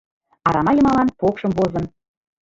Арама йымалан покшым возын